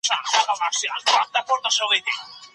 سپېڅلی ژوند په حلاله روزۍ کې دی.